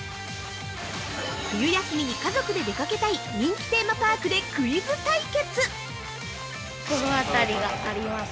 冬休みに家族で出かけたい人気テーマパークでクイズ対決！